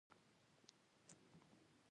باورونه بدل کاندي.